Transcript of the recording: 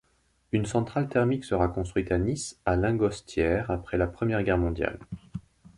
Une centrale thermique sera construite à Nice à Lingostière après la Première Guerre mondiale.